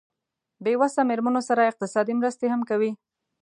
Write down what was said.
بې وسه مېرمنو سره اقتصادي مرستې هم کوي.